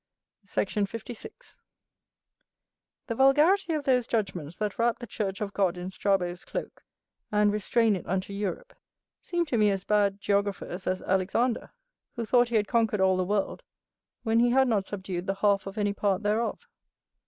Sect. 56. The vulgarity of those judgments that wrap the church of God in Strabo's cloak, and restrain it unto Europe, seem to me as bad geographers as Alexander, who thought he had conquered all the world, when he had not subdued the half of any part thereof.